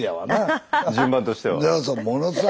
順番としては。